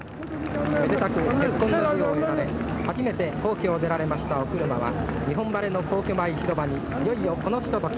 「めでたく結婚の儀を終えられ初めて皇居を出られましたお車は日本晴れの皇居前広場にいよいよこのひととき。